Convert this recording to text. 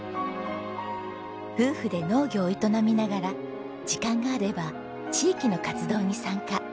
夫婦で農業を営みながら時間があれば地域の活動に参加。